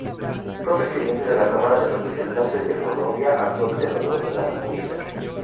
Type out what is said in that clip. Fue Presidente de la Cámara de Representantes de Colombia; actual Senador de la República.